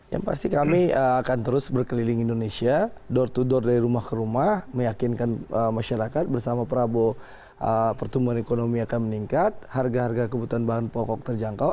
yang pasti kami akan terus berkeliling indonesia door to door dari rumah ke rumah meyakinkan masyarakat bersama prabowo pertumbuhan ekonomi akan meningkat harga harga kebutuhan bahan pokok terjangkau